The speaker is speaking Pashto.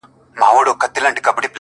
• خو په هیڅ درمل یې سوده نه کېدله ,